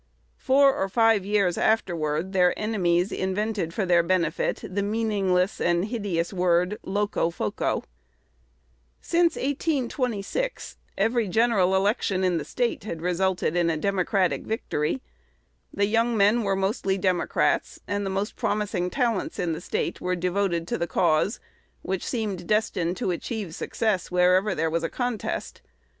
Four or five years afterward their enemies invented for their benefit the meaningless and hideous word "Locofoco." Since 1826 every general election in the State had resulted in a Democratic victory. The young men were mostly Democrats; and the most promising talents in the State were devoted to the cause, which seemed destined to achieve success wherever there was a contest.